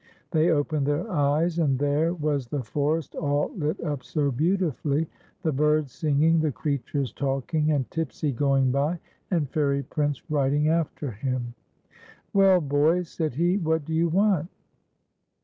Thc\ opened their eyes, and there was the forest, all lit up so beautifuU}', the birds sin<jiny^, the creatures talking, and Tipsy going by, and Fairy Prince riding after him. " Well, boys," said he, " what do you want